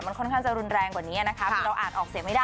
มันค่อนข้างจะรุนแรงกว่านี้นะคะคือเราอ่านออกเสียงไม่ได้